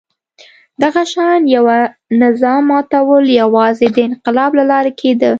دغه شان یوه نظام ماتول یوازې د انقلاب له لارې کېده.